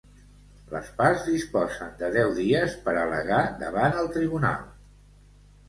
Les parts disposen de deu dies per al·legar davant el tribunal.